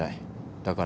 だから。